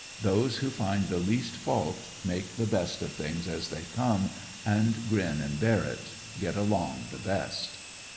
Those wiio find the least fault, make the best of things as they come and grin and bear it, get along the best.